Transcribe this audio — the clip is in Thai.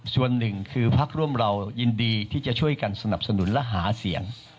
ส่วนหนึ่งคือพักร่วมเรายินดีที่จะช่วยกันสนับสนุนและหาเสียง